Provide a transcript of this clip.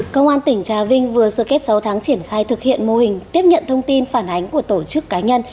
công an tỉnh trà vinh vừa sơ kết sáu tháng triển khai thực hiện mô hình tiếp nhận thông tin phản ánh của tổ chức cá nhân